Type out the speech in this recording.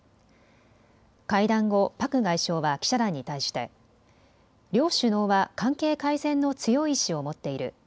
会談後、パク外相は記者団に対して両首脳は関係改善の強い意志を持っている。